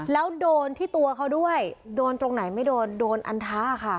แล้วโดนที่ตัวเขาด้วยโดนตรงไหนไม่โดนโดนอันทะค่ะ